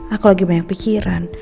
aku lagi banyak pikiran